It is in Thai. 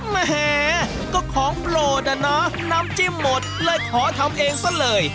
แหมก็ของโปรดอะนะน้ำจิ้มหมดเลยขอทำเองซะเลย